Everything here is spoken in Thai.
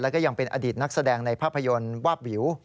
แล้วก็ยังเป็นอดีตนักแสดงในภาพยนตร์วาบวิว